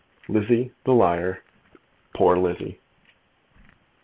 Lizzie, the liar! Poor Lizzie!